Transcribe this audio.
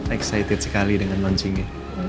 excited sekali dengan launchingnya